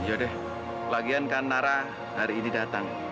yaudah deh lagian kan nara hari ini datang